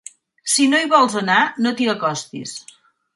Si no vols anar, no t'hi acostis.